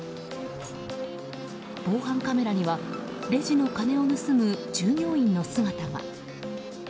防犯カメラにはレジの金を盗む従業員の姿が。